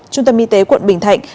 trung tâm y tế quận bình thạnh